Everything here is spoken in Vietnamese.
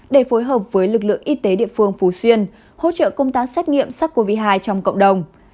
để phối hợp với lực lượng y tế địa phương phú xuyên hỗ trợ công tác xét nghiệm sars cov hai trong cộng đồng